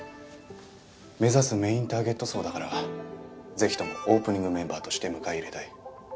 目指すメインターゲット層だからぜひともオープニングメンバーとして迎え入れたい。